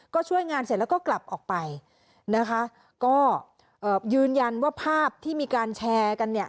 ก็ช่วยงานเสร็จแล้วก็กลับออกไปนะคะก็เอ่อยืนยันว่าภาพที่มีการแชร์กันเนี่ย